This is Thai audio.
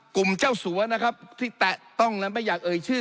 กลุ่มเจ้าสัวนะครับที่แตะต้องไม่อยากเอ่ยชื่อ